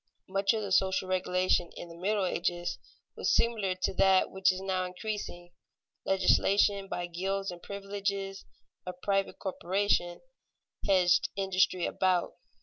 Much of the social regulation in the Middle Ages was similar to that which is now increasing. Legislation by gilds and privileges of private corporations hedged industry about.